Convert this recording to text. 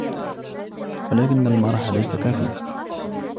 ولكن المرح ليس كافياً.